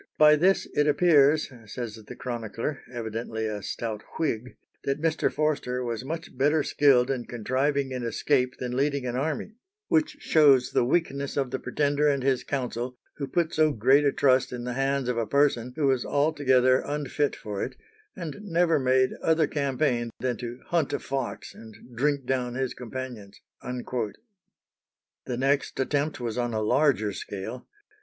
"By this it appears," says the chronicler, evidently a stout Whig, "that Mr. Forster was much better skilled in contriving an escape than leading an army, which shows the weakness of the Pretender and his council, who put so great a trust in the hands of a person who was altogether unfit for it, and never made other campaign than to hunt a fox and drink down his companions." The next attempt was on a larger scale.